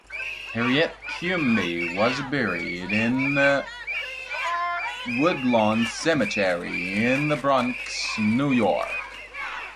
Harriet Quimby was buried in the Woodlawn Cemetery in The Bronx, New York.